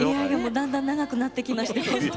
だんだん長くなってきました。